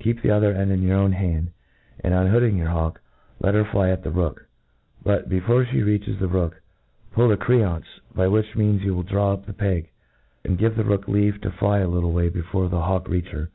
Keep the other end in your own hand, and, unhoodmg your hawk, let her fly at the rook* But, before flie reaches the rook, pull the creance, by which means you will draw up the pcg^ and give the rook leave to fly a little way before the hawk reach her.